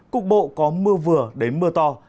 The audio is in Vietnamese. cục bộ có mưa vừa đến mưa to